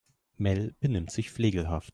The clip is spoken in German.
Mel benimmt sich flegelhaft.